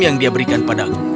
yang dia berikan padaku